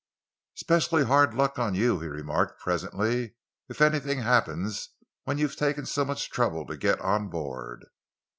"Specially hard luck on you," he remarked presently, "if anything happened when you've taken so much trouble to get on board."